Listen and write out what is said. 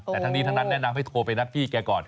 แต่ทั้งนี้ทั้งนั้นแนะนำให้โทรไปนัดพี่แกก่อน